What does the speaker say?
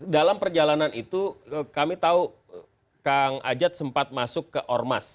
dalam perjalanan itu kami tahu kang ajat sempat masuk ke ormas